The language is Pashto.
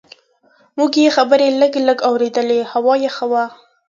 موږ یې خبرې لږ لږ اورېدلې، هوا یخه وه.